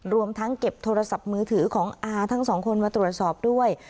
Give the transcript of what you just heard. รวมทั้งเก็บโทรศัพท์มือถือของอาทั้งสองคนมาตรวจสอบด้วย